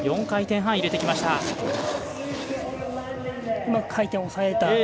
４回転半入れてきました。